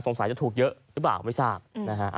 จะถูกเยอะหรือเปล่าไม่ทราบนะฮะ